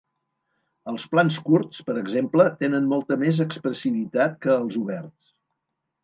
Els plans curts, per exemple, tenen molta més expressivitat que els oberts.